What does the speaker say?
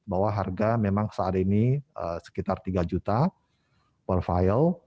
bahwa harga memang saat ini sekitar tiga juta per file